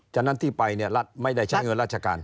ฉะนั้นที่ไปเนี่ยรัฐไม่ได้ใช้เงินราชการ